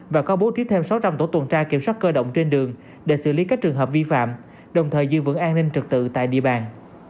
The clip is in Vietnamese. và có bố trí thêm sáu trăm linh tổ tuần tra kiểm soát cơ động trên đường để xử lý các trường hợp vi phạm đồng thời giữ vững an ninh trực tự tại địa bàn